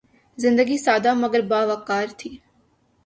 زندگی سادہ مگر باوقار تھی